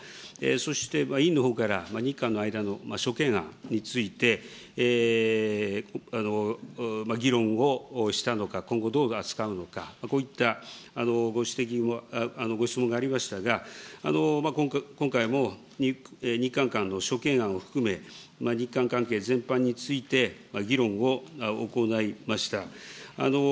そして委員のほうから日韓の間の諸懸案について、議論をしたのか、今後どう扱うのか、こういったご質問がありましたが、今回も日韓間の諸懸案を含め、日韓関係全般について、議論を行いました。